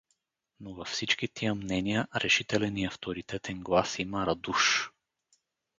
Но във всички тия мнения решителен и авторитетен глас има Радуш.